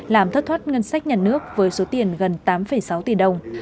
làm thất thoát ngân sách nhà nước với số tiền gần tám sáu tỷ đồng